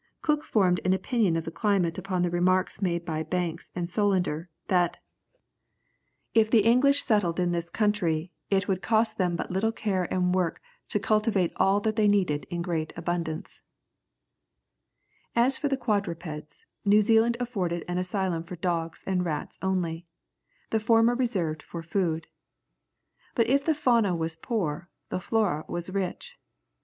Cook formed an opinion of the climate upon the remarks made by Banks and Solander, that, "If the English settled in this country, it would cost them but little care and work to cultivate all that they needed in great abundance." [Illustration: Tatooed head of a New Zealander. (Fac simile of early engraving.)] As for quadrupeds, New Zealand afforded an asylum for dogs and rats only, the former reserved for food. But if the fauna was poor, the flora was rich.